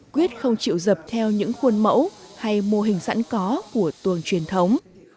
quyết không chịu dập theo những khuôn mẫu hay mô hình sẵn có của tuồng truyền thống